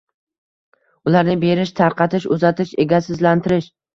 ularni berish, tarqatish, uzatish, egasizlantirish